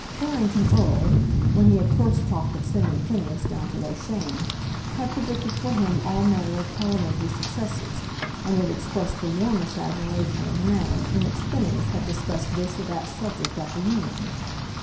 Barrington Erle, when he had first talked of sending Phineas down to Loughshane, had predicted for him all manner of parliamentary successes, and had expressed the warmest admiration of the manner in which Phineas had discussed this or that subject at the Union.